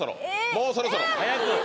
もうそろそろ！